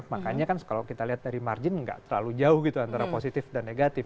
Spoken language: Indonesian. makanya kan kalau kita lihat dari margin nggak terlalu jauh gitu antara positif dan negatif